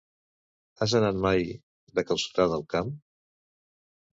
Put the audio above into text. Has anat mai de calçotada al camp?